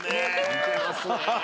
似てますね。